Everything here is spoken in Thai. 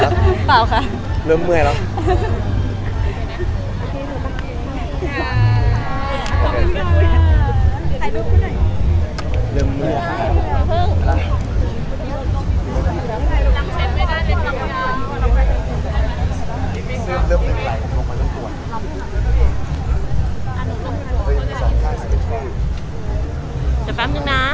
เดี๋ยวแป๊บนึงนะ